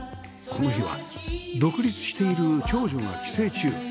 この日は独立している長女が帰省中